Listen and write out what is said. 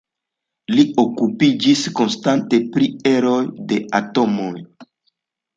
Li okupiĝis konstante pri eroj de atomoj.